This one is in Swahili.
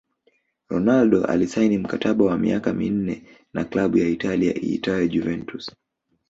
Ronaldo alisaini mkataba wa miaka minne na klabu ya Italia iitwayo Juventus